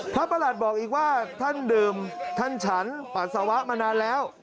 ประหลัดบอกอีกว่าท่านดื่มท่านฉันปัสสาวะมานานแล้ว